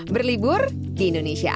berlibur di indonesia